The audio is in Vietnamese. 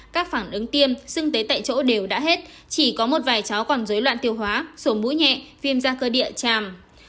các phản ứng tiêm xưng tế tại chỗ đều đã hết chỉ có một vài cháu còn dối loạn tiêu hóa sổ mũi nhẹ phim ra cơ địa chàm